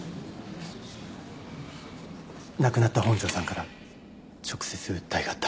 亡くなった本庄さんから直接訴えがあった。